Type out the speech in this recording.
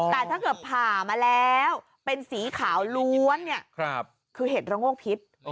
แต่ถ้าเกิดผ่ามาแล้วเป็นสีขาวล้วนเนี่ยคือเห็ดระโงกพิษ